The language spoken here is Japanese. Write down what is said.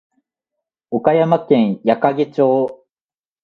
岡山県矢掛町